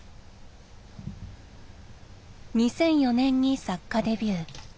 ２００４年に作家デビュー。